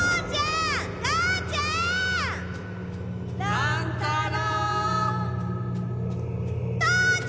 乱太郎！